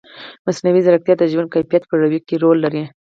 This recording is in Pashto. مصنوعي ځیرکتیا د ژوند کیفیت لوړولو کې رول لري.